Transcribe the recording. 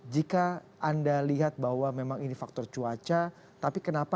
jika anda lihat bahwa memang ini father